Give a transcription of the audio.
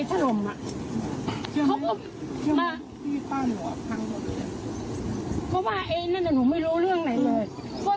เขาควบว่าเอ้ยนั่นน่ะหนูไม่รู้เรื่องอะไรเลย